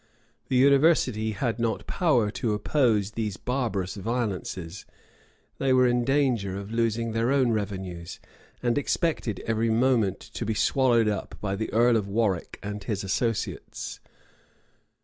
[*] The university had not power to oppose these barbarous violences: they were in danger of losing their own revenues; and expected every moment to be swallowed up by the earl of Warwick and his associates.